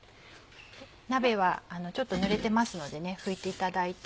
鍋はちょっと濡れてますので拭いていただいて。